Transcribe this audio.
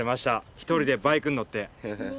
一人でバイクに乗って。